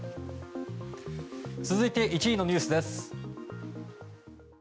続いて１位のニュースです。